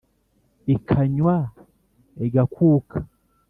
ikanywa ígakuka